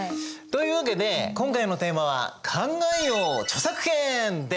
というわけで今回のテーマは「考えよう著作権」です！